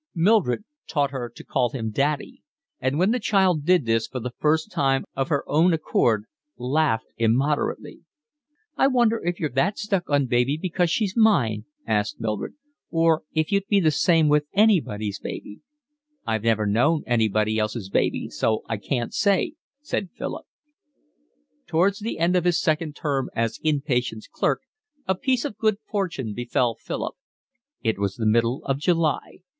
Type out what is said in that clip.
Mildred taught her to call him daddy, and when the child did this for the first time of her own accord, laughed immoderately. "I wonder if you're that stuck on baby because she's mine," asked Mildred, "or if you'd be the same with anybody's baby." "I've never known anybody else's baby, so I can't say," said Philip. Towards the end of his second term as in patients' clerk a piece of good fortune befell Philip. It was the middle of July.